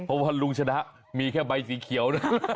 เพราะว่าลุงชนะมีแค่ใบสีเขียวนะ